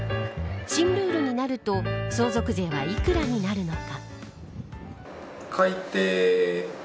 新ルールになると相続税は幾らになるのか。